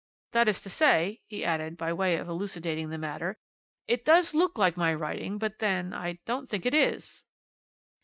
'That is to say,' he added, by way of elucidating the matter, 'it does look like my writing, but then I don't think it is.'